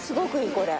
これ。